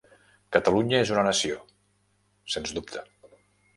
Catalunya és una nació, sens dubte.